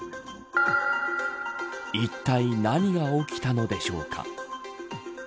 いったい何が起きたのでしょうか。